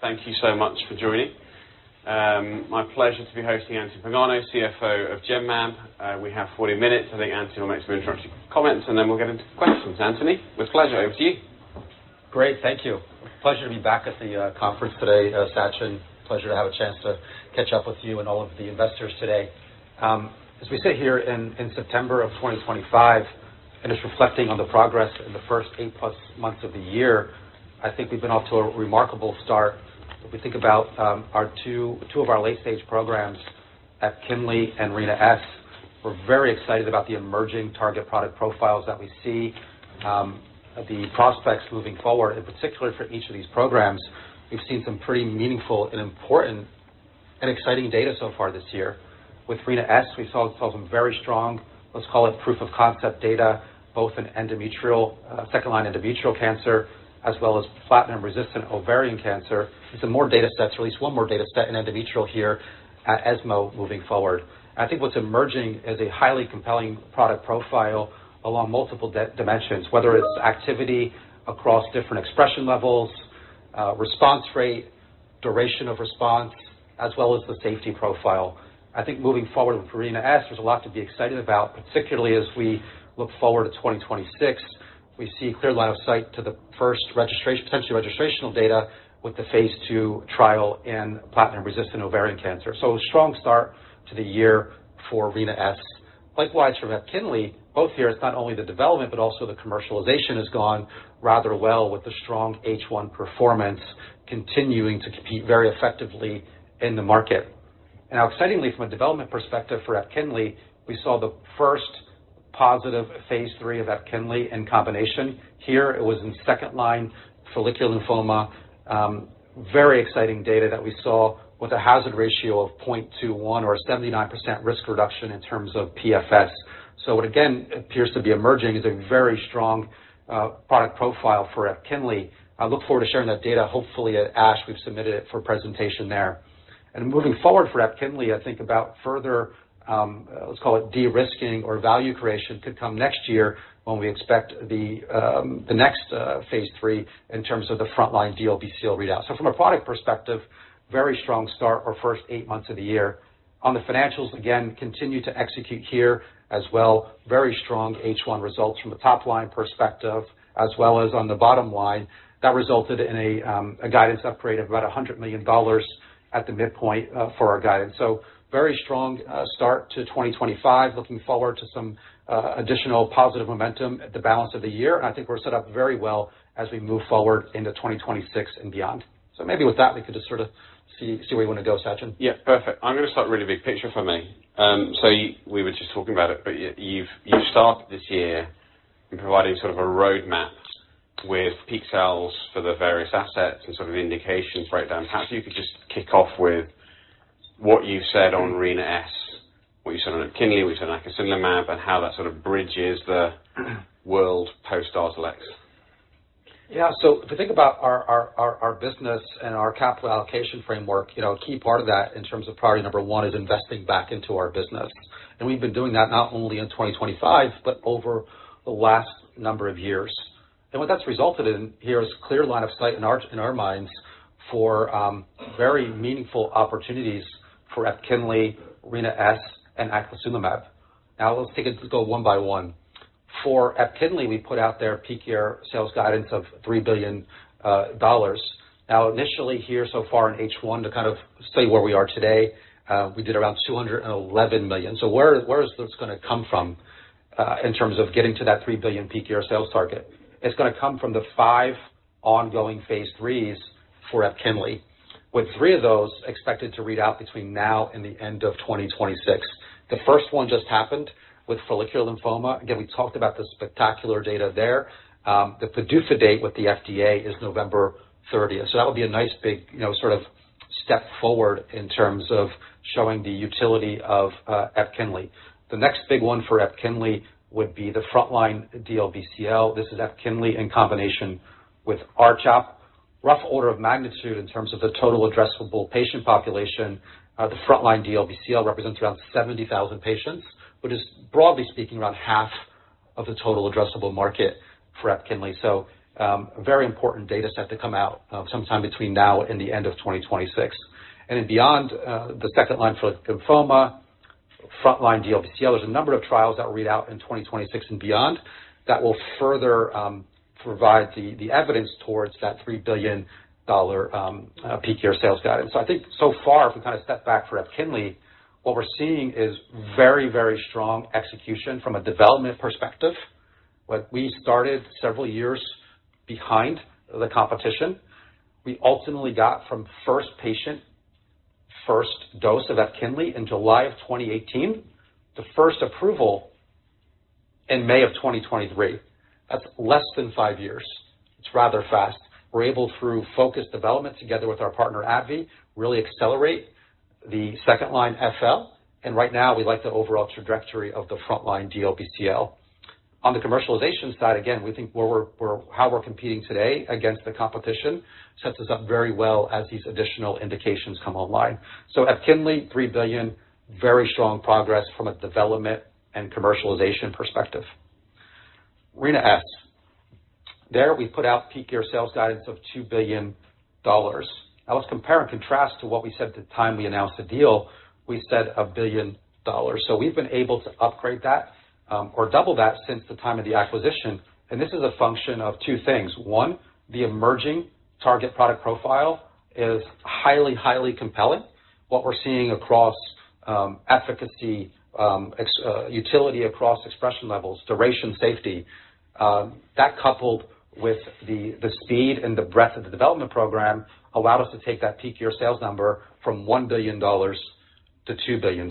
Thank you so much for joining. My pleasure to be hosting Anthony Pagano, CFO of Genmab. We have 40 minutes. I think Anthony will make some introductory comments, and then we'll get into questions. Anthony, with pleasure, over to you. Great. Thank you. Pleasure to be back at the conference today, Sachin. Pleasure to have a chance to catch up with you and all of the investors today. As we sit here in September of 2025, and it's reflecting on the progress in the first eight-plus months of the year, I think we've been off to a remarkable start. If we think about two of our late-stage programs at EPKINLY and Rina-S, we're very excited about the emerging target product profiles that we see, the prospects moving forward, in particular for each of these programs. We've seen some pretty meaningful and important and exciting data so far this year. With Rina-S, we saw some very strong, let's call it, proof-of-concept data, both in second-line endometrial cancer as well as platinum-resistant ovarian cancer. Some more data sets, or at least one more data set in endometrial here at ESMO moving forward. I think what's emerging is a highly compelling product profile along multiple dimensions, whether it's activity across different expression levels, response rate, duration of response, as well as the safety profile. I think moving forward with Rina-S, there's a lot to be excited about, particularly as we look forward to 2026. We see a clear line of sight to the first potentially registrational data with the phase II trial in platinum-resistant ovarian cancer. So, a strong start to the year for Rina-S. Likewise, from EPKINLY, both here, it's not only the development, but also the commercialization has gone rather well with the strong H1 performance, continuing to compete very effectively in the market. Now, excitingly, from a development perspective for EPKINLY, we saw the first positive phase III of EPKINLY in combination. Here, it was in second-line follicular lymphoma. Very exciting data that we saw with a hazard ratio of 0.21 or a 79% risk reduction in terms of PFS. What again appears to be emerging is a very strong product profile for EPKINLY. I look forward to sharing that data, hopefully, at ASH, we've submitted it for presentation there. Moving forward for EPKINLY, I think about further, let's call it, de-risking or value creation could come next year when we expect the next phase III in terms of the front-line DLBCL readout. From a product perspective, very strong start or first eight months of the year. On the financials, again, continue to execute here as well. Very strong H1 results from the top-line perspective, as well as on the bottom line. That resulted in a guidance upgrade of about $100 million at the midpoint for our guidance. So, very strong start to 2025, looking forward to some additional positive momentum at the balance of the year. And I think we're set up very well as we move forward into 2026 and beyond. So, maybe with that, we could just sort of see where you want to go, Sachin. Yeah, perfect. I'm going to start really big picture for me. So, we were just talking about it, but you've started this year in providing sort of a roadmap with peak sales for the various assets and sort of indications right down. Perhaps you could just kick off with what you've said on Rina-S, what you've said on EPKINLY, what you've said on Acasunlimab, and how that sort of bridges the world post DARZALEX. Yeah. So, if you think about our business and our capital allocation framework, a key part of that in terms of priority number one is investing back into our business. And we've been doing that not only in 2025, but over the last number of years. And what that's resulted in here is a clear line of sight in our minds for very meaningful opportunities for EPKINLY, Rina-S, and Acasunlimab. Now, let's take a go one by one. For EPKINLY, we put out their peak year sales guidance of $3 billion. Now, initially here so far in H1 to kind of say where we are today, we did around $211 million. So, where is this going to come from in terms of getting to that $3 billion peak year sales target? It's going to come from the five ongoing phase IIIs for EPKINLY, with three of those expected to read out between now and the end of 2026. The first one just happened with follicular lymphoma. Again, we talked about the spectacular data there. The PDUFA date with the FDA is November 30th. So, that would be a nice big sort of step forward in terms of showing the utility of EPKINLY. The next big one for EPKINLY would be the front-line DLBCL. This is EPKINLY in combination with R-CHOP. Rough order of magnitude in terms of the total addressable patient population, the front-line DLBCL represents around 70,000 patients, which is broadly speaking around half of the total addressable market for EPKINLY. So, a very important data set to come out sometime between now and the end of 2026. Then beyond the second-line for lymphoma, front-line DLBCL, there's a number of trials that will read out in 2026 and beyond that will further provide the evidence towards that $3 billion peak year sales guidance. So, I think so far, if we kind of step back for EPKINLY, what we're seeing is very, very strong execution from a development perspective. We started several years behind the competition. We ultimately got from first patient, first dose of EPKINLY in July of 2018 to first approval in May of 2023. That's less than five years. It's rather fast. We're able, through focused development together with our partner AbbVie, to really accelerate the second-line FL. And right now, we like the overall trajectory of the front-line DLBCL. On the commercialization side, again, we think how we're competing today against the competition sets us up very well as these additional indications come online. EPKINLY, $3 billion, very strong progress from a development and commercialization perspective. Rina-S, there we put out peak year sales guidance of $2 billion. Now, let's compare and contrast to what we said at the time we announced the deal. We said $1 billion. We've been able to upgrade that or double that since the time of the acquisition. And this is a function of two things. One, the emerging target product profile is highly, highly compelling. What we're seeing across efficacy, utility across expression levels, duration, safety, that coupled with the speed and the breadth of the development program allowed us to take that peak year sales number from $1 billion-$2 billion.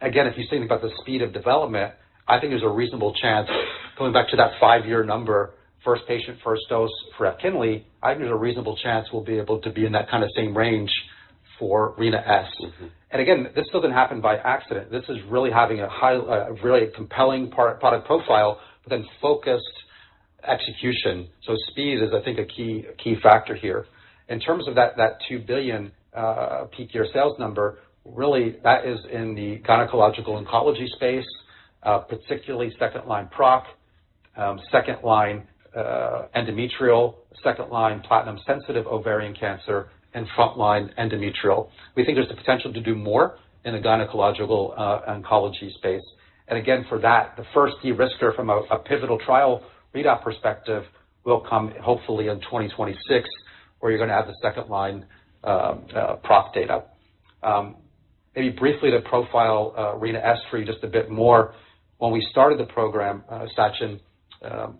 Again, if you're thinking about the speed of development, I think there's a reasonable chance going back to that five-year number, first patient, first dose for EPKINLY. I think there's a reasonable chance we'll be able to be in that kind of same range for Rina-S, and again, this doesn't happen by accident. This is really having a really compelling product profile, but then focused execution, so speed is, I think, a key factor here. In terms of that $2 billion peak year sales number, really, that is in the gynecological oncology space, particularly second-line PROC, second-line endometrial, second-line platinum-sensitive ovarian cancer, and front-line endometrial. We think there's the potential to do more in the gynecological oncology space, and again, for that, the first derisker from a pivotal trial readout perspective will come hopefully in 2026, where you're going to have the second-line PROC data. Maybe briefly to profile Rina-S for you just a bit more. When we started the program, Sachin,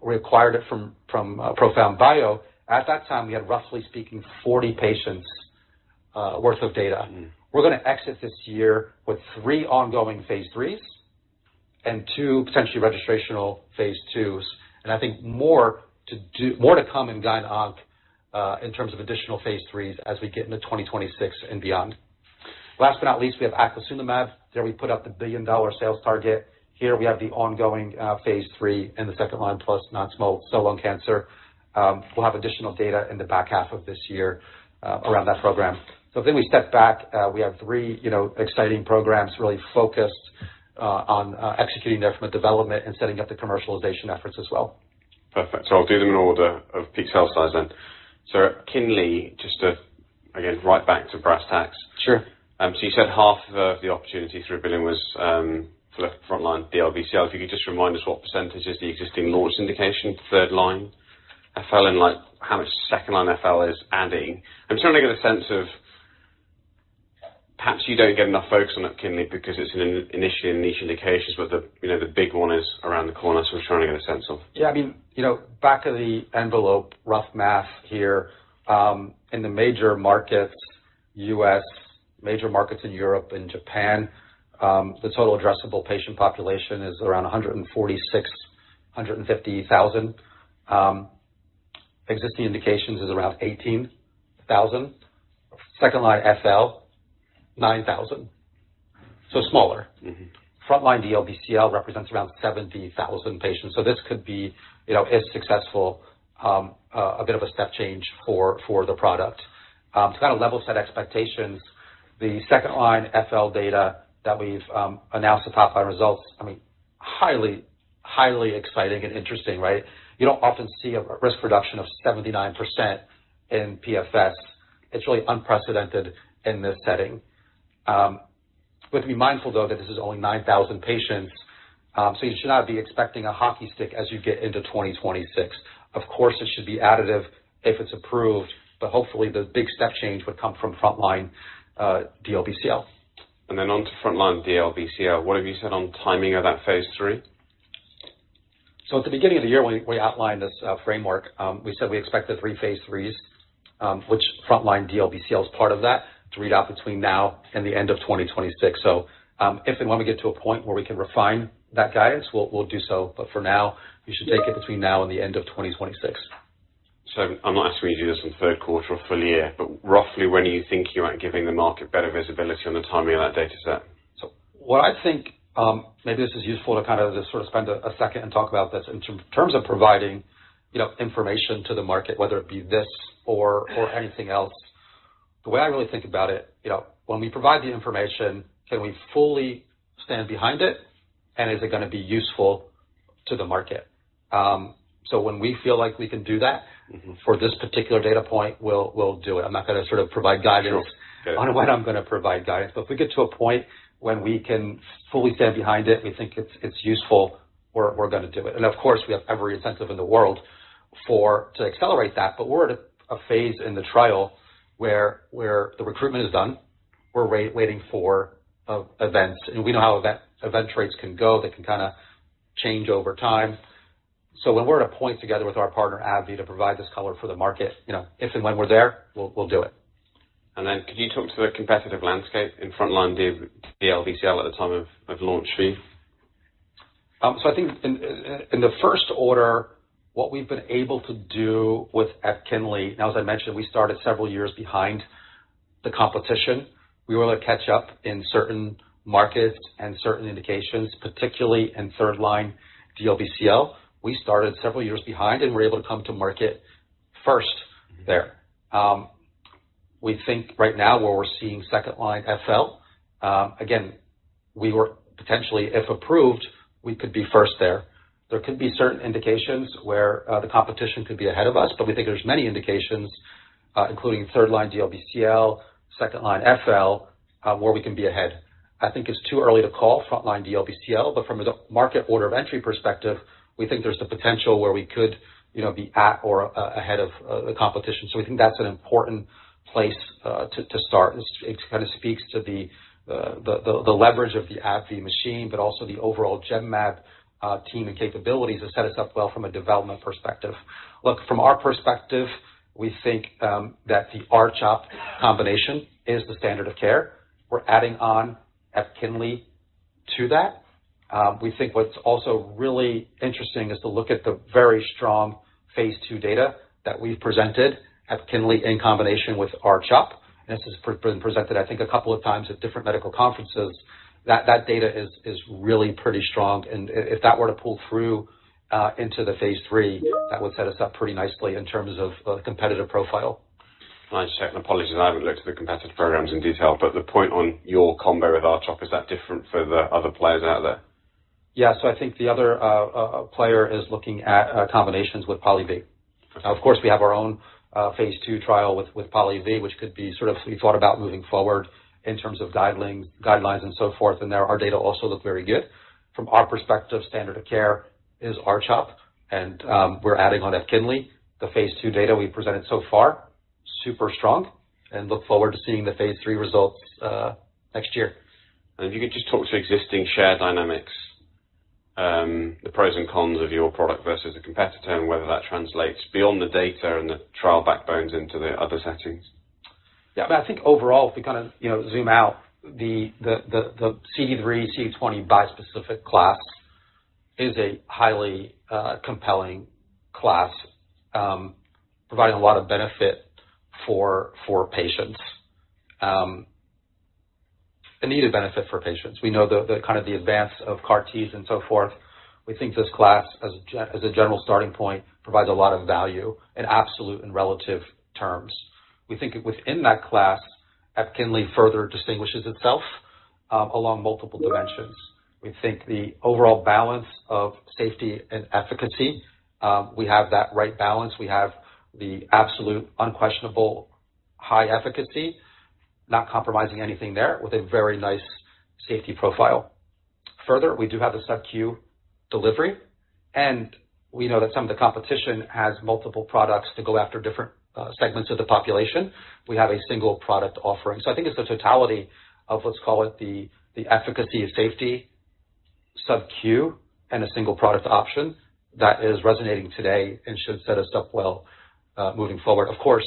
we acquired it from ProfoundBio. At that time, we had, roughly speaking, 40 patients' worth of data. We're going to exit this year with three ongoing phase IIIs and two potentially registrational phase IIs, and I think more to come in GynOnc in terms of additional phase IIIs as we get into 2026 and beyond. Last but not least, we have Acasunlimab. There we put up the billion-dollar sales target. Here we have the ongoing phase III in the second-line plus non-small cell lung cancer. We'll have additional data in the back half of this year around that program, so then we step back. We have three exciting programs really focused on executing there from a development and setting up the commercialization efforts as well. Perfect. So I'll do them in order of peak sales size then. So EPKINLY, just to, again, right back to brass tacks. Sure. So you said half of the opportunity, [$3 billion] was for front-line DLBCL. If you could just remind us what percentage is the existing launch indication, third-line, FL, and how much second-line FL is adding? I'm trying to get a sense of perhaps you don't get enough focus on EPKINLY because it's initially in niche indications, but the big one is around the corner. So we're trying to get a sense of. Yeah. I mean, back-of-the-envelope, rough math here. In the major markets, U.S., major markets in Europe and Japan, the total addressable patient population is around 146,000-150,000. Existing indications is around 18,000. Second-line FL, 9,000. So smaller. Front-line DLBCL represents around 70,000 patients. So this could be, if successful, a bit of a step change for the product. To kind of level set expectations, the second-line FL data that we've announced the top-line results, I mean, highly, highly exciting and interesting, right? You don't often see a risk reduction of 79% in PFS. It's really unprecedented in this setting. With that in mind, though, that this is only 9,000 patients, so you should not be expecting a hockey stick as you get into 2026. Of course, it should be additive if it's approved, but hopefully the big step change would come from front-line DLBCL. And then onto front-line DLBCL, what have you said on timing of that phase III? At the beginning of the year, we outlined this framework. We said we expect the three phase IIIs, which front-line DLBCL is part of that, to read out between now and the end of 2026. If and when we get to a point where we can refine that guidance, we'll do so. For now, you should take it between now and the end of 2026. I'm not asking you to do this in third quarter or full year, but roughly when are you thinking about giving the market better visibility on the timing of that data set? So what I think, maybe this is useful to kind of just sort of spend a second and talk about this in terms of providing information to the market, whether it be this or anything else. The way I really think about it, when we provide the information, can we fully stand behind it, and is it going to be useful to the market? So when we feel like we can do that for this particular data point, we'll do it. I'm not going to sort of provide guidance on when I'm going to provide guidance. But if we get to a point when we can fully stand behind it, we think it's useful, we're going to do it. And of course, we have every incentive in the world to accelerate that. But we're at a phase in the trial where the recruitment is done. We're waiting for events. We know how event rates can go. They can kind of change over time. So when we're at a point together with our partner AbbVie to provide this color for the market, if and when we're there, we'll do it. Could you talk to the competitive landscape in front-line DLBCL at the time of launch for you? So I think in the first order, what we've been able to do with EPKINLY, now, as I mentioned, we started several years behind the competition. We were able to catch up in certain markets and certain indications, particularly in third-line DLBCL. We started several years behind and were able to come to market first there. We think right now where we're seeing second-line FL, again, we were potentially, if approved, we could be first there. There could be certain indications where the competition could be ahead of us, but we think there's many indications, including third-line DLBCL, second-line FL, where we can be ahead. I think it's too early to call front-line DLBCL, but from the market order of entry perspective, we think there's the potential where we could be at or ahead of the competition. So we think that's an important place to start. It kind of speaks to the leverage of the AbbVie machine, but also the overall Genmab team and capabilities to set us up well from a development perspective. Look, from our perspective, we think that the R-CHOP combination is the standard of care. We're adding on EPKINLY to that. We think what's also really interesting is to look at the very strong phase II data that we've presented at EPKINLY in combination with R-CHOP. And this has been presented, I think, a couple of times at different medical conferences. That data is really pretty strong. And if that were to pull through into the phase III, that would set us up pretty nicely in terms of the competitive profile. My second apologies. I haven't looked at the competitive programs in detail, but the point on your combo with R-CHOP is that different for the other players out there? Yeah. So I think the other player is looking at combinations with POLIVY. Now, of course, we have our own phase II trial with POLIVY, which could be sort of we thought about moving forward in terms of guidelines and so forth. And our data also look very good. From our perspective, standard of care is R-CHOP, and we're adding on EPKINLY. The phase II data we've presented so far, super strong, and look forward to seeing the phase III results next year. If you could just talk to existing shared dynamics, the pros and cons of your product versus the competitor, and whether that translates beyond the data and the trial backbones into the other settings? Yeah. I mean, I think overall, if we kind of zoom out, the CD3, CD20 bispecific class is a highly compelling class, providing a lot of benefit for patients, a needed benefit for patients. We know the kind of the advance of CAR-Ts and so forth. We think this class, as a general starting point, provides a lot of value in absolute and relative terms. We think within that class, EPKINLY further distinguishes itself along multiple dimensions. We think the overall balance of safety and efficacy, we have that right balance. We have the absolute unquestionable high efficacy, not compromising anything there with a very nice safety profile. Further, we do have the Sub-Q delivery, and we know that some of the competition has multiple products to go after different segments of the population. We have a single product offering. So I think it's the totality of, let's call it the efficacy and safety Sub-Q and a single product option that is resonating today and should set us up well moving forward. Of course,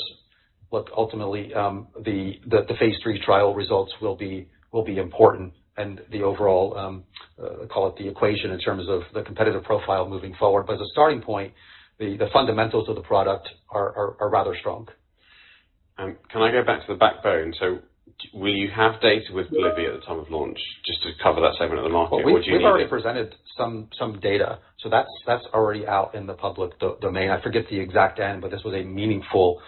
look, ultimately, the phase III trial results will be important, and the overall, call it the equation in terms of the competitive profile moving forward. But as a starting point, the fundamentals of the product are rather strong. Can I go back to the backbone? So will you have data with POLIVY at the time of launch just to cover that segment of the market? We've already presented some data. So that's already out in the public domain. I forget the exact end, but this was a meaningful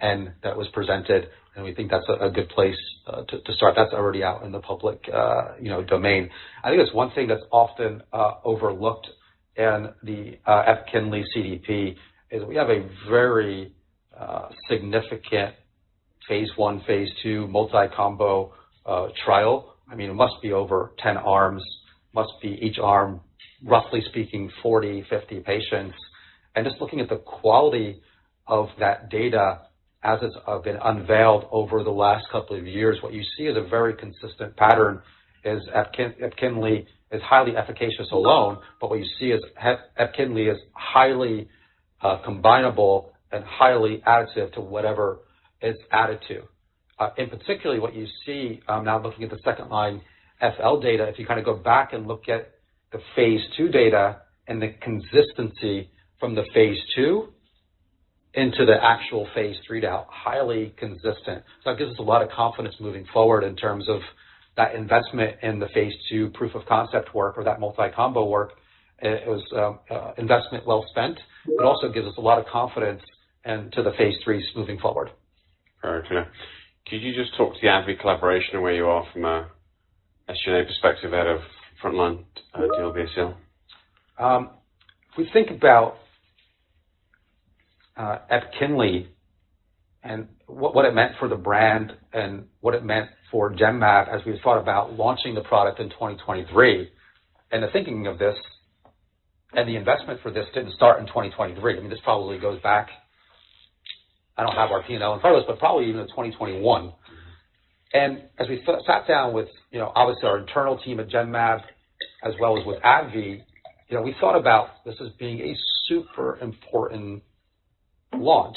end that was presented. And we think that's a good place to start. That's already out in the public domain. I think it's one thing that's often overlooked in the EPKINLY CDP is we have a very significant phase I, phase II multi-combo trial. I mean, it must be over 10 arms, must be each arm, roughly speaking, 40, 50 patients. And just looking at the quality of that data as it's been unveiled over the last couple of years, what you see is a very consistent pattern is EPKINLY is highly efficacious alone, but what you see is EPKINLY is highly combinable and highly additive to whatever it's added to. In particular, what you see now looking at the second-line FL data, if you kind of go back and look at the phase II data and the consistency from the phase II into the actual phase III data, highly consistent. So that gives us a lot of confidence moving forward in terms of that investment in the phase II proof of concept work or that multi-combo work. It was investment well spent. It also gives us a lot of confidence into the phase IIIs moving forward. All right. Could you just talk to the AbbVie collaboration and where you are from an SG&A perspective ahead of front-line DLBCL? If we think about EPKINLY and what it meant for the brand and what it meant for Genmab as we thought about launching the product in 2023, and the thinking of this and the investment for this didn't start in 2023. I mean, this probably goes back. I don't have our P&L in front of us, but probably even 2021. As we sat down with, obviously, our internal team at Genmab as well as with AbbVie, we thought about this as being a super important launch.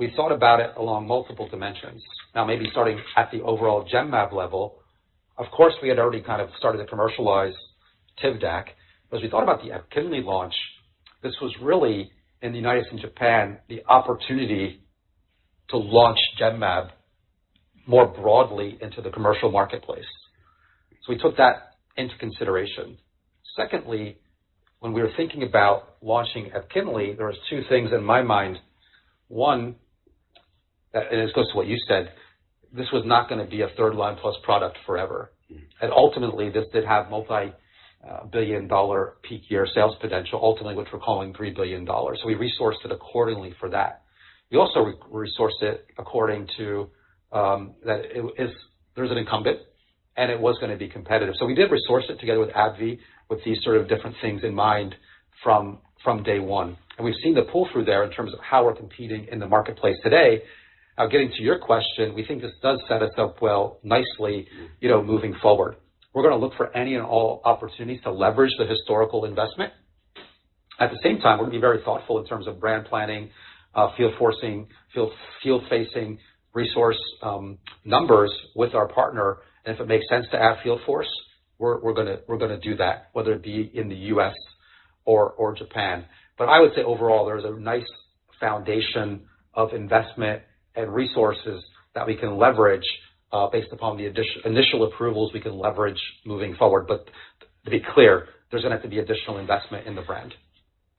We thought about it along multiple dimensions. Now, maybe starting at the overall Genmab level, of course, we had already kind of started to commercialize Tivdak. But as we thought about the EPKINLY launch, this was really, in the United States and Japan, the opportunity to launch Genmab more broadly into the commercial marketplace. We took that into consideration. Secondly, when we were thinking about launching EPKINLY, there were two things in my mind. One, and it goes to what you said, this was not going to be a third-line plus product forever, and ultimately, this did have multi-billion dollar peak year sales potential, ultimately, which we're calling $3 billion. So we resourced it accordingly for that. We also resourced it according to that there's an incumbent, and it was going to be competitive. So we did resource it together with AbbVie, with these sort of different things in mind from day one, and we've seen the pull-through there in terms of how we're competing in the marketplace today. Now, getting to your question, we think this does set us up well nicely moving forward. We're going to look for any and all opportunities to leverage the historical investment. At the same time, we're going to be very thoughtful in terms of brand planning, field force, field-facing resource numbers with our partner, and if it makes sense to add field force, we're going to do that, whether it be in the U.S. or Japan, but I would say overall, there's a nice foundation of investment and resources that we can leverage based upon the initial approvals we can leverage moving forward, but to be clear, there's going to have to be additional investment in the brand.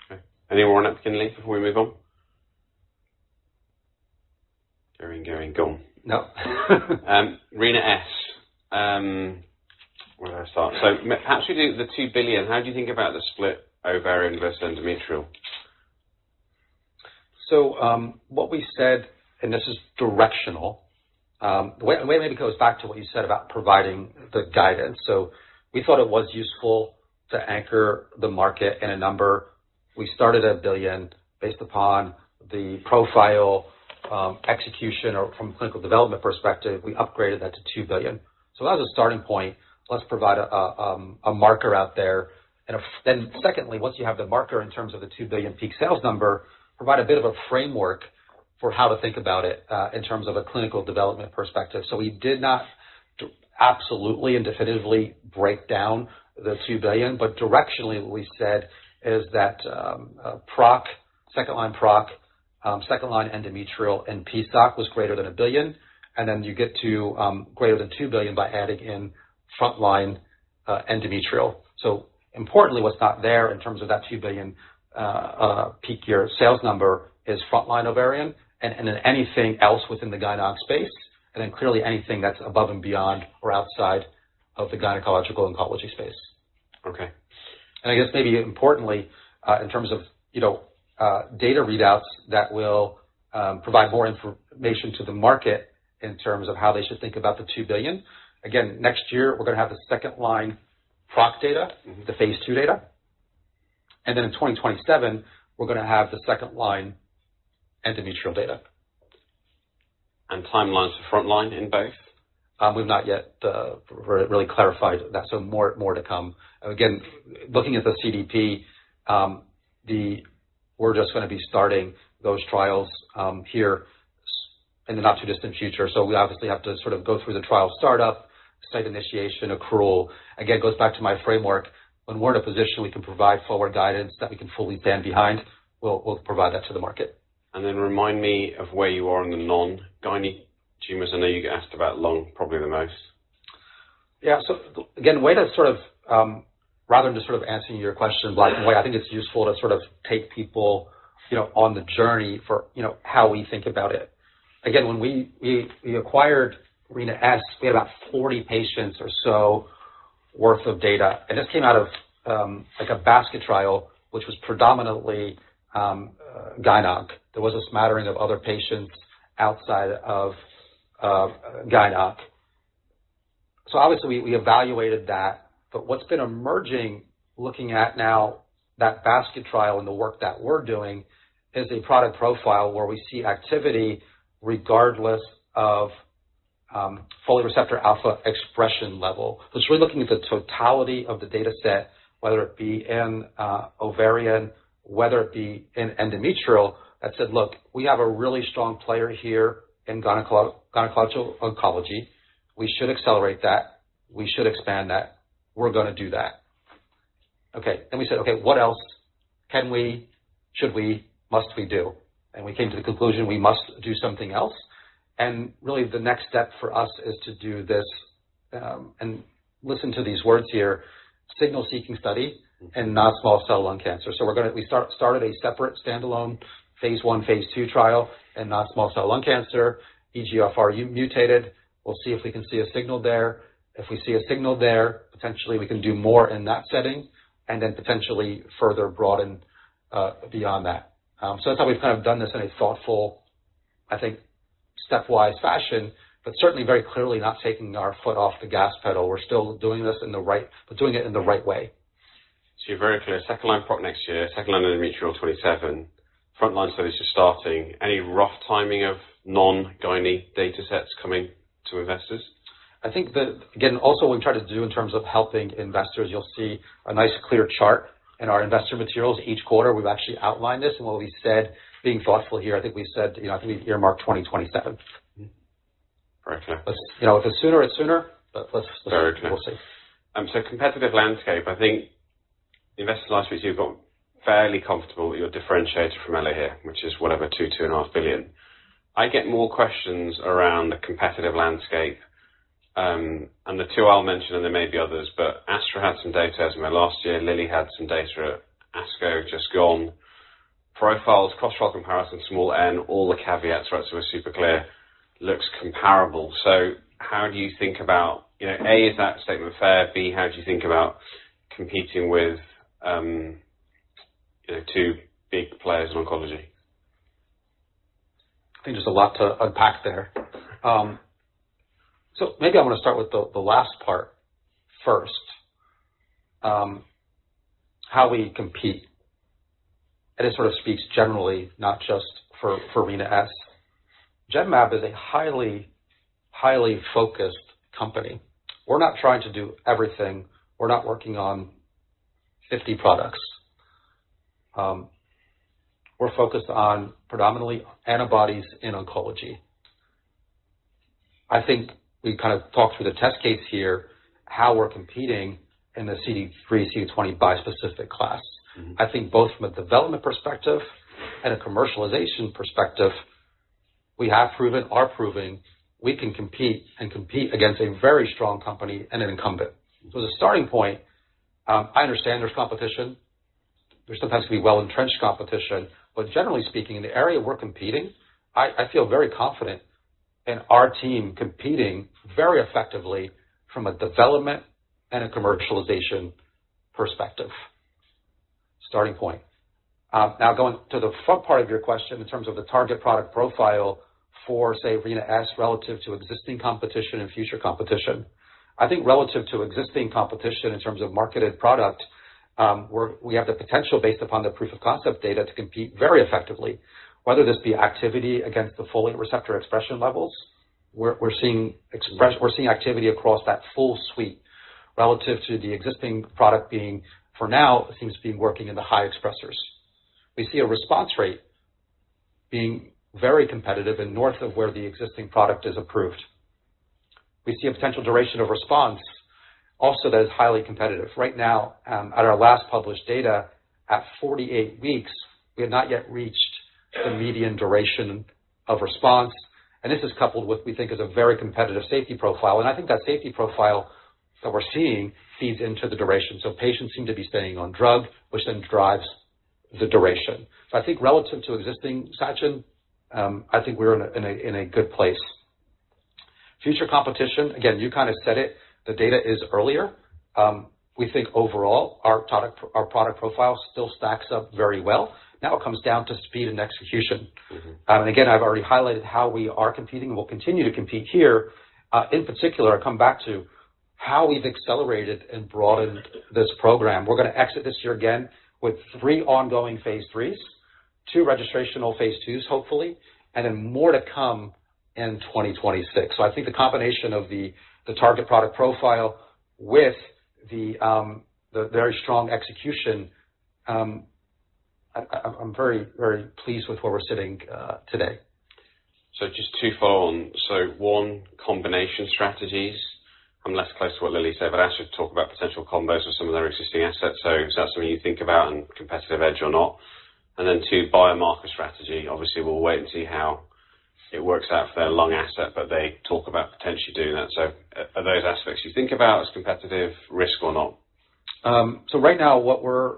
Okay. Any more on EPKINLY, before we move on? Going, going, gone. No. Rina-S, where do I start? So actually, the $2 billion, how do you think about the split Overian versus endometrial? What we said, and this is directional, and maybe it goes back to what you said about providing the guidance. We thought it was useful to anchor the market in a number. We started at $1 billion based upon the profile execution or from a clinical development perspective. We upgraded that to $2 billion. As a starting point, let's provide a marker out there. And then secondly, once you have the marker in terms of the $2 billion peak sales number, provide a bit of a framework for how to think about it in terms of a clinical development perspective. We did not absolutely and definitively break down the $2 billion, but directionally, what we said is that PROC, second-line PROC, second-line endometrial, and PSOC was greater than $1 billion. And then you get to greater than $2 billion by adding in front-line endometrial. Importantly, what's not there in terms of that $2 billion peak year sales number is front-line ovarian and then anything else within the GynOnc space, and then clearly anything that's above and beyond or outside of the gynecological oncology space. Okay. And I guess maybe importantly, in terms of data readouts that will provide more information to the market in terms of how they should think about the $2 billion. Again, next year, we're going to have the second-line PROC data, the phase II data. And then in 2027, we're going to have the second-line endometrial data. And timelines for front-line in both? We've not yet really clarified that. So more to come. Again, looking at the CDP, we're just going to be starting those trials here in the not-too-distant future. So we obviously have to sort of go through the trial startup, site initiation, accrual. Again, it goes back to my framework. When we're in a position we can provide forward guidance that we can fully stand behind, we'll provide that to the market. And then remind me of where you are on the non-gynae tumors. I know you get asked about lung probably the most. Yeah. So again, the way that's sort of rather than just sort of answering your question, but I think it's useful to sort of take people on the journey for how we think about it. Again, when we acquired Rina-S, we had about 40 patients or so worth of data. And this came out of a basket trial, which was predominantly GynOnc. There was a smattering of other patients outside of GynOnc. So obviously, we evaluated that. But what's been emerging, looking at now that basket trial and the work that we're doing, is a product profile where we see activity regardless of folate receptor alpha expression level. So we're looking at the totality of the data set, whether it be in Ovarian, whether it be in endometrial, that said, "Look, we have a really strong player here in gynecological oncology. We should accelerate that. We should expand that. We're going to do that." Okay. Then we said, "Okay, what else can we, should we, must we do?" And we came to the conclusion we must do something else. And really, the next step for us is to do this and listen to these words here: signal-seeking study in non-small cell lung cancer. So we started a separate standalone phase I, phase II trial in non-small cell lung cancer, EGFR-mutated. We'll see if we can see a signal there. If we see a signal there, potentially we can do more in that setting and then potentially further broaden beyond that. So that's how we've kind of done this in a thoughtful, I think, stepwise fashion, but certainly very clearly not taking our foot off the gas pedal. We're still doing this in the right, but doing it in the right way. So you're very clear. Second-line PROC next year, second-line endometrial 2027, front-line studies just starting. Any rough timing of non-guiding data sets coming to investors? I think that, again, also what we've tried to do in terms of helping investors, you'll see a nice clear chart in our investor materials. Each quarter, we've actually outlined this, and what we said, being thoughtful here, I think we said, "I think we've earmarked 2027. Very clear. If it's sooner, it's sooner, but we'll see. Very clear. So competitive landscape. I think investors last week you've got fairly comfortable that you're differentiated from Elahere, which is whatever, $2 billion-$2.5 billion. I get more questions around the competitive landscape. And the two I'll mention, and there may be others, but Astra had some data as well last year, Lilly had some data, ASCO just gone, profiles, cross-trial comparison, small N, all the caveats, right? So we're super clear. Looks comparable. So how do you think about A, is that statement fair? B, how do you think about competing with two big players in oncology? I think there's a lot to unpack there. So maybe I want to start with the last part first, how we compete, and it sort of speaks generally, not just for Rina-S. Genmab is a highly, highly focused company. We're not trying to do everything. We're not working on 50 products. We're focused on predominantly antibodies in oncology. I think we kind of talked through the test case here, how we're competing in the CD3, CD20 bispecific class. I think both from a development perspective and a commercialization perspective, we have proven, are proving we can compete and compete against a very strong company and an incumbent. So as a starting point, I understand there's competition. There's sometimes going to be well-entrenched competition, but generally speaking, in the area we're competing, I feel very confident in our team competing very effectively from a development and a commercialization perspective. Starting point. Now, going to the front part of your question in terms of the target product profile for, say, Rina-S relative to existing competition and future competition, I think relative to existing competition in terms of marketed product, we have the potential based upon the proof of concept data to compete very effectively, whether this be activity against the folate receptor expression levels. We're seeing activity across that full suite relative to the existing product being, for now, seems to be working in the high expressors. We see a response rate being very competitive and north of where the existing product is approved. We see a potential duration of response also that is highly competitive. Right now, at our last published data at 48 weeks, we have not yet reached the median duration of response. And this is coupled with, we think, is a very competitive safety profile. And I think that safety profile that we're seeing feeds into the duration. So patients seem to be staying on drug, which then drives the duration. So I think relative to existing, Sachin, I think we're in a good place. Future competition, again, you kind of said it. The data is earlier. We think overall our product profile still stacks up very well. Now it comes down to speed and execution. And again, I've already highlighted how we are competing and will continue to compete here. In particular, I come back to how we've accelerated and broadened this program. We're going to exit this year again with three ongoing phase IIIs, two registrational phase IIs, hopefully, and then more to come in 2026. So I think the combination of the target product profile with the very strong execution, I'm very, very pleased with where we're sitting today. Just two follow-on. One, combination strategies. I'm less close to what Lilly said, but I should talk about potential combos with some of their existing assets. Is that something you think about and competitive edge or not? Then two, biomarker strategy. Obviously, we'll wait and see how it works out for their lung asset, but they talk about potentially doing that. Are those aspects you think about as competitive risk or not? Right now, what we're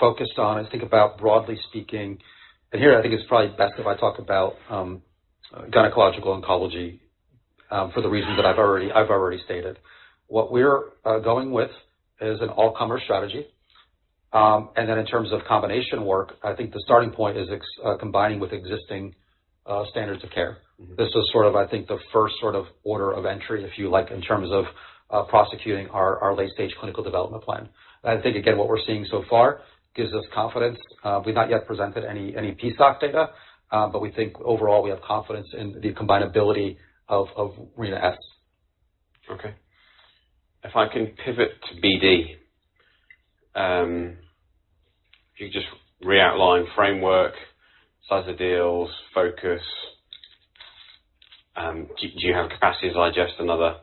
focused on is think about broadly speaking. And here, I think it's probably best if I talk about gynecological oncology for the reasons that I've already stated. What we're going with is an all-comers strategy. And then in terms of combination work, I think the starting point is combining with existing standards of care. This is sort of, I think, the first sort of order of entry, if you like, in terms of prosecuting our late-stage clinical development plan. I think, again, what we're seeing so far gives us confidence. We've not yet presented any PSOC data, but we think overall we have confidence in the combinability of Rina-S. Okay. If I can pivot to BD, if you could just re-outline framework, size of deals, focus? Do you have capacity to digest another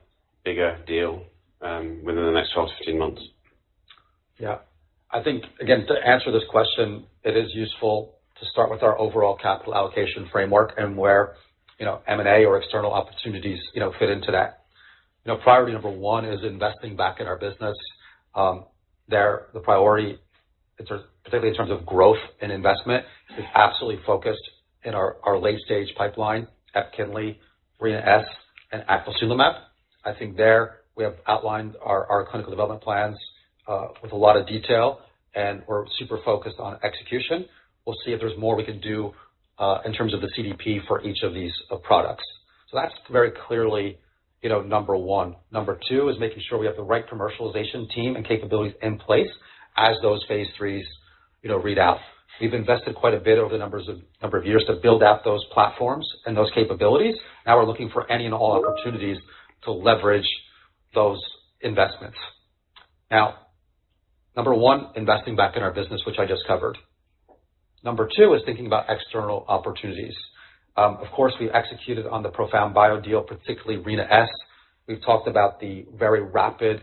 bigger deal within the next 12-15 months? Yeah. I think, again, to answer this question, it is useful to start with our overall capital allocation framework and where M&A or external opportunities fit into that. Priority number one is investing back in our business. There, the priority, particularly in terms of growth and investment, is absolutely focused in our late-stage pipeline at EPKINLY, Rina-S, and Acasunlimab. I think there we have outlined our clinical development plans with a lot of detail, and we're super focused on execution. We'll see if there's more we can do in terms of the CDP for each of these products. So that's very clearly number one. Number two is making sure we have the right commercialization team and capabilities in place as those phase IIIs read out. We've invested quite a bit over the number of years to build out those platforms and those capabilities. Now we're looking for any and all opportunities to leverage those investments. Now, number one, investing back in our business, which I just covered. Number two is thinking about external opportunities. Of course, we executed on the ProfoundBio deal, particularly Rina-S. We've talked about the very rapid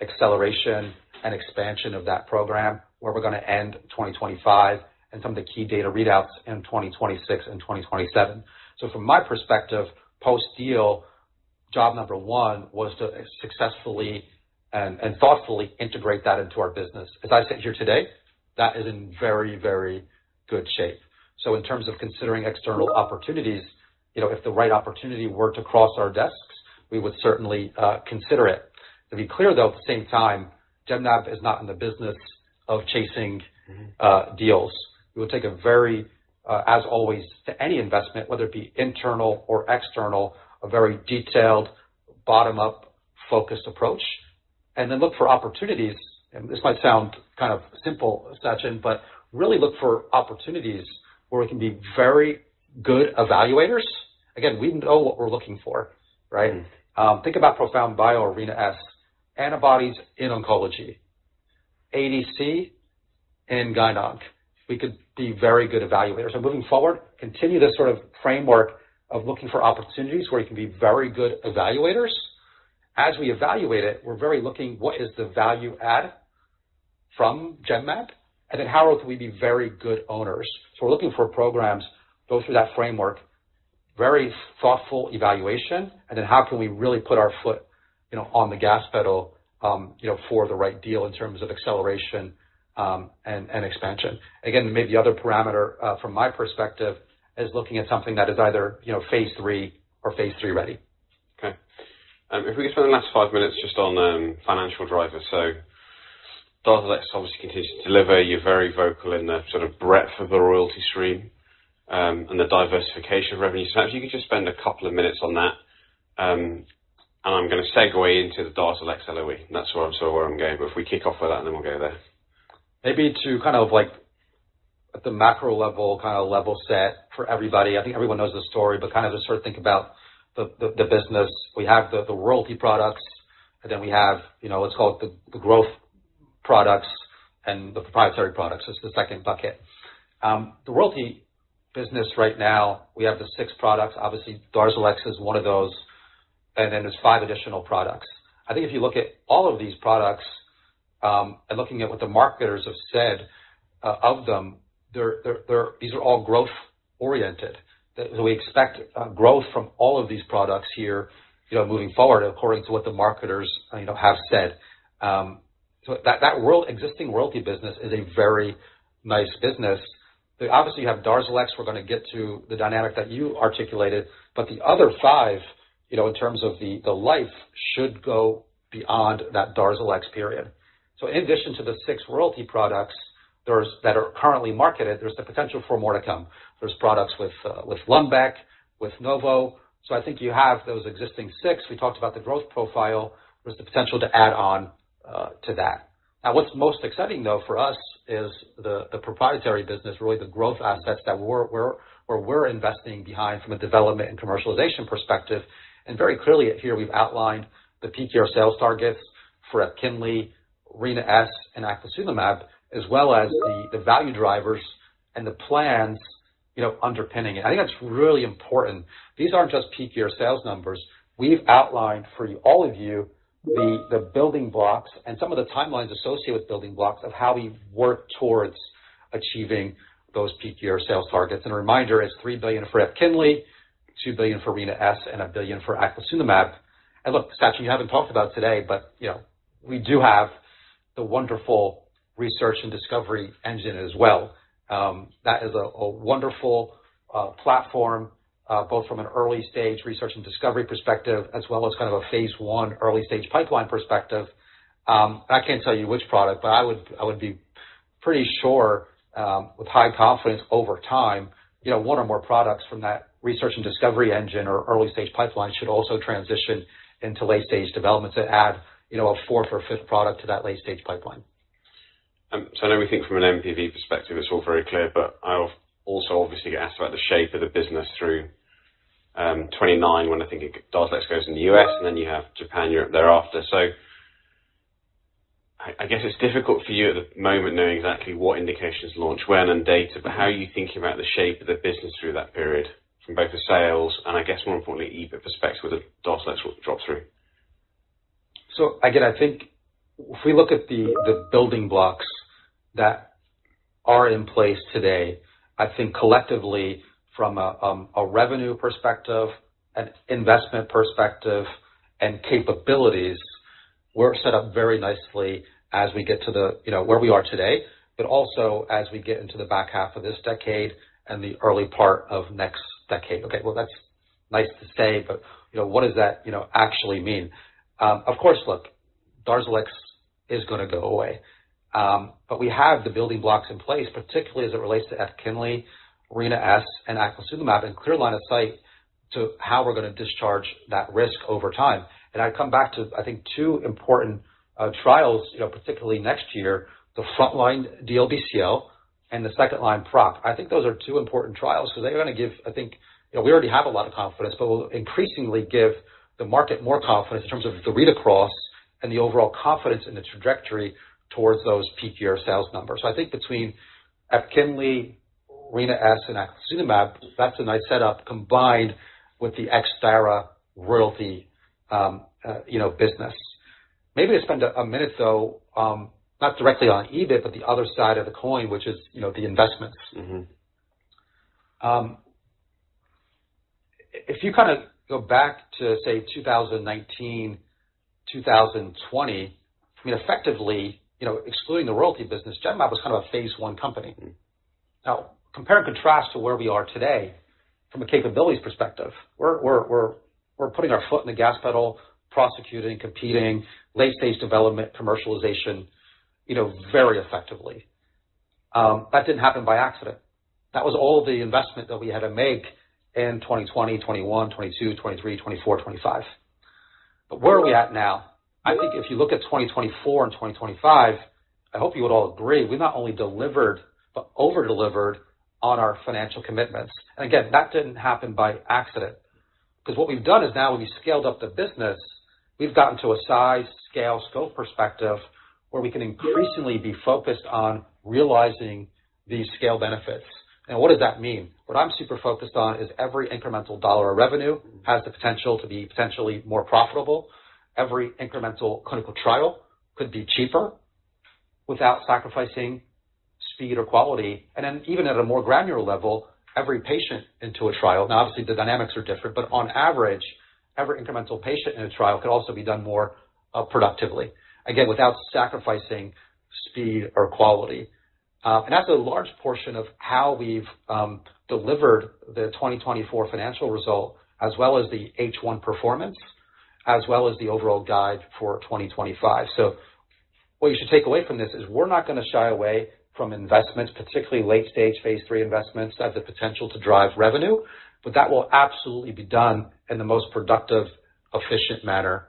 acceleration and expansion of that program where we're going to end 2025 and some of the key data readouts in 2026 and 2027. So from my perspective, post-deal, job number one was to successfully and thoughtfully integrate that into our business. As I sit here today, that is in very, very good shape. So in terms of considering external opportunities, if the right opportunity were to cross our desks, we would certainly consider it. To be clear, though, at the same time, Genmab is not in the business of chasing deals. We will take a very, as always, to any investment, whether it be internal or external, a very detailed, bottom-up focused approach. And then look for opportunities. And this might sound kind of simple, Sachin, but really look for opportunities where we can be very good evaluators. Again, we know what we're looking for, right? Think about ProfoundBio or Rina-S, antibodies in oncology, ADC, and GynOnc. We could be very good evaluators. And moving forward, continue this sort of framework of looking for opportunities where we can be very good evaluators. As we evaluate it, we're very looking at what is the value add from Genmab, and then how can we be very good owners? We're looking for programs, go through that framework, very thoughtful evaluation, and then how can we really put our foot on the gas pedal for the right deal in terms of acceleration and expansion. Again, maybe the other parameter from my perspective is looking at something that is either phase III or phase III ready. Okay. If we could spend the next five minutes just on financial drivers, so DARZALEX obviously continues to deliver. You're very vocal in the sort of breadth of the royalty stream and the diversification of revenue, so perhaps you could just spend a couple of minutes on that. And I'm going to segue into the DARZALEX LOE, and that's sort of where I'm going, but if we kick off with that, then we'll go there. Maybe to kind of like at the macro level, kind of level set for everybody. I think everyone knows the story, but kind of just sort of think about the business. We have the royalty products, and then we have, let's call it the growth products and the proprietary products. It's the second bucket. The royalty business right now, we have the six products. Obviously, DARZALEX is one of those, and then there's five additional products. I think if you look at all of these products and looking at what the marketers have said of them, these are all growth-oriented. So we expect growth from all of these products here moving forward according to what the marketers have said. So that existing royalty business is a very nice business. Obviously, you have DARZALEX. We're going to get to the dynamic that you articulated. But the other five, in terms of the life, should go beyond that DARZALEX period. So in addition to the six royalty products that are currently marketed, there's the potential for more to come. There's products with Lundbeck, with Novo. So I think you have those existing six. We talked about the growth profile. There's the potential to add on to that. Now, what's most exciting, though, for us is the proprietary business, really the growth assets that we're investing behind from a development and commercialization perspective. And very clearly here, we've outlined the peak year sales targets for EPKINLY, Rina-S, and Acasunlimab, as well as the value drivers and the plans underpinning it. I think that's really important. These aren't just peak year sales numbers. We've outlined for all of you the building blocks and some of the timelines associated with building blocks of how we work towards achieving those peak year sales targets. A reminder, it's $3 billion for EPKINLY, $2 billion for Rina-S, and $1 billion for Acasunlimab. Look, Sachin, you haven't talked about today, but we do have the wonderful research and discovery engine as well. That is a wonderful platform, both from an early-stage research and discovery perspective as well as kind of a phase I early-stage pipeline perspective. I can't tell you which product, but I would be pretty sure with high confidence over time, one or more products from that research and discovery engine or early-stage pipeline should also transition into late-stage development to add a fourth or fifth product to that late-stage pipeline. So I know we think from an NPV perspective, it's all very clear, but I'll also obviously get asked about the shape of the business through 2029 when I think DARZALEX goes in the U.S., and then you have Japan, Europe thereafter. So I guess it's difficult for you at the moment knowing exactly what indications launch, when and data, but how are you thinking about the shape of the business through that period from both the sales and, I guess, more importantly, EBIT perspective with the DARZALEX drop-through? So again, I think if we look at the building blocks that are in place today, I think collectively from a revenue perspective, an investment perspective, and capabilities, we're set up very nicely as we get to where we are today, but also as we get into the back half of this decade and the early part of next decade. Okay, well, that's nice to say, but what does that actually mean? Of course, look, DARZALEX is going to go away. But we have the building blocks in place, particularly as it relates to EPKINLY, Rina-S, and Acasunlimab, and clear line of sight to how we're going to discharge that risk over time. And I'd come back to, I think, two important trials, particularly next year, the frontline DLBCL and the second line PROC. I think those are two important trials because they're going to give, I think, we already have a lot of confidence, but we'll increasingly give the market more confidence in terms of the read across and the overall confidence in the trajectory towards those peak year sales numbers. So I think between EPKINLY, Rina-S, and Acasunlimab, that's a nice setup combined with the [ex-Dara] royalty business. Maybe I spend a minute, though, not directly on EBIT, but the other side of the coin, which is the investments. If you kind of go back to, say, 2019, 2020, I mean, effectively, excluding the royalty business, Genmab was kind of a phase I company. Now, compare and contrast to where we are today from a capabilities perspective, we're putting our foot in the gas pedal, prosecuting, competing, late-stage development, commercialization very effectively. That didn't happen by accident. That was all the investment that we had to make in 2020, 2021, 2022, 2023, 2024, 2025. But where are we at now? I think if you look at 2024 and 2025, I hope you would all agree, we not only delivered, but overdelivered on our financial commitments. And again, that didn't happen by accident. Because what we've done is now when we scaled up the business, we've gotten to a size, scale, scope perspective where we can increasingly be focused on realizing these scale benefits. And what does that mean? What I'm super focused on is every incremental dollar of revenue has the potential to be potentially more profitable. Every incremental clinical trial could be cheaper without sacrificing speed or quality. And then even at a more granular level, every patient into a trial. Now, obviously, the dynamics are different, but on average, every incremental patient in a trial could also be done more productively, again, without sacrificing speed or quality. And that's a large portion of how we've delivered the 2024 financial result, as well as the H1 performance, as well as the overall guide for 2025. So what you should take away from this is we're not going to shy away from investments, particularly late-stage phase III investments that have the potential to drive revenue, but that will absolutely be done in the most productive, efficient manner possible,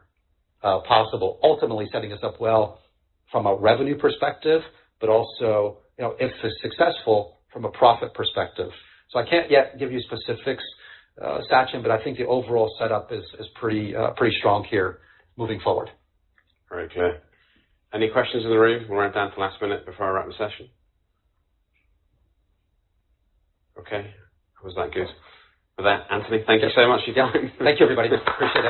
ultimately setting us up well from a revenue perspective, but also if successful, from a profit perspective. So I can't yet give you specifics, Sachin, but I think the overall setup is pretty strong here moving forward. Okay. Any questions in the room? We'll run it down to the last minute before I wrap the session. Okay. That was that good. With that, Anthony, thank you so much. Thank you, everybody. Appreciate it.